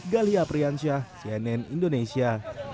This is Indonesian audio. galia priyansyah cnn indonesia